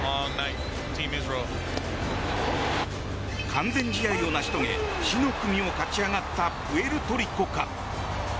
完全試合を成し遂げ死の組を勝ち上がったプエルトリコか。